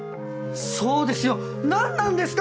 そうですよ何なんですか？